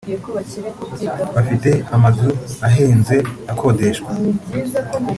bafite amazu ahenze akodeshwa